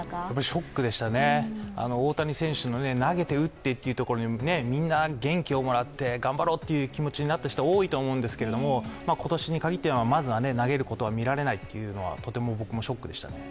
ショックでしたね、大谷選手の投げて打ってというところにみんな元気をもらって、頑張ろうという気持ちになった人が多いと思うんですが今年にかぎっては、まずは投げることを見られないというのはショックですね。